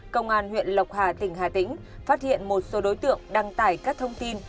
công an huyện lộc hà tỉnh hà tĩnh phát hiện một số đối tượng đăng tải các thông tin